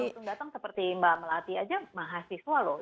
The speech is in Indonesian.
langsung datang seperti mbak melati aja mahasiswa loh